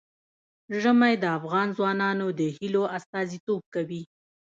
ژمی د افغان ځوانانو د هیلو استازیتوب کوي.